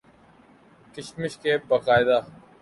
کشمش کے باقاعدہ